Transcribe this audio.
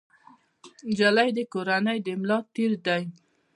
نجلۍ د کورنۍ د ملا تیر دی.